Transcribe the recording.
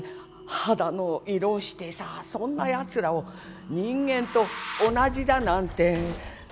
肌の色してさそんなやつらを人間と同じだなんて思えないよ。